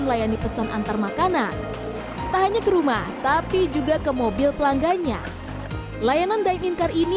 melayani pesan antarmakan tanpa hanya ke rumah tapi juga ke mobil pelanggannya layanan next karkini